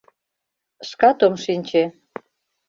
_— Шкат ом шинче...